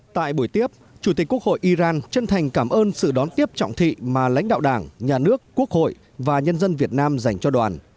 tại buổi tiếp chủ tịch quốc hội iran chân thành cảm ơn sự đón tiếp trọng thị mà lãnh đạo đảng nhà nước quốc hội và nhân dân việt nam dành cho đoàn